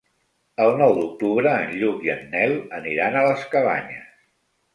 El nou d'octubre en Lluc i en Nel aniran a les Cabanyes.